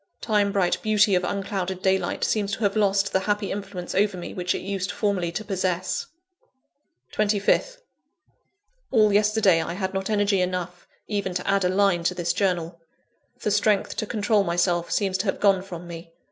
Time bright beauty of unclouded daylight seems to have lost the happy influence over me which it used formerly to possess. 25th. All yesterday I had not energy enough even to add a line to this journal. The strength to control myself seems to have gone from me.